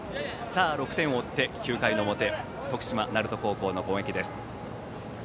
６点を追って９回の表徳島・鳴門高校の攻撃です。